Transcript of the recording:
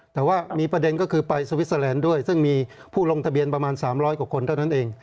แต่ว่ามีประเด็นก็คือไปสวิสเตอร์แลนด์ด้วยซึ่งมีผู้ลงทะเบียนประมาณ๓๐๐กว่าคนเท่านั้นเอง